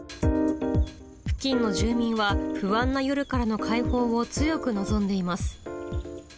付近の住民は不安な夜からの解放を強く望んでいます。